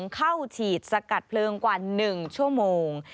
เข้าฉีดสกัดเพลิงกว่า๑ชั่วโมง